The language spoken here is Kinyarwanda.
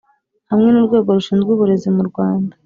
Hamwe n’Urwego rushinzwe uburezi mu Rwanda